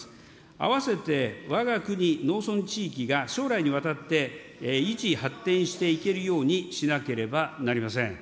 合わせてわが国農村地域が、将来にわたって維持発展していけるようにしなければなりません。